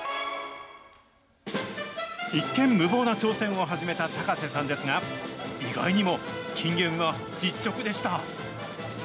一見、無謀な挑戦を始めた高瀬さんですが、意外にも金言は実直でした。